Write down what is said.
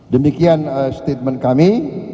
demikian statement kami